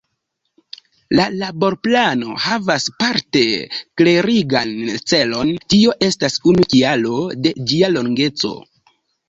La Laborplano havas parte klerigan celon - tio estas unu kialo de ĝia longeco.